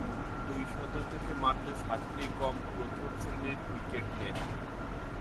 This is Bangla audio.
দুইশত থেকে মাত্র সাতটি কম প্রথম-শ্রেণীর উইকেট নেন।